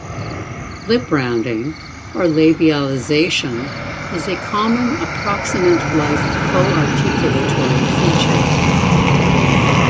Lip rounding, or labialization, is a common approximant-like co-articulatory feature.